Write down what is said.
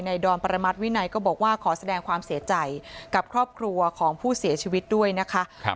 ดอนประมาทวินัยก็บอกว่าขอแสดงความเสียใจกับครอบครัวของผู้เสียชีวิตด้วยนะคะ